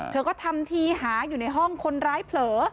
เธอก็ทำทีหาอยู่ในห้องคนร้ายเผลอ